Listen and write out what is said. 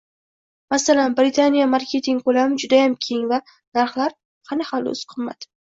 Masalan, Britaniya marketing koʻlami judayam keng va narxlar hali-hanuz qimmat.